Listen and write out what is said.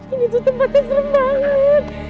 ini tuh tempatnya serem banget